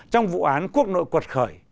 trong vụ án quốc nội quật khởi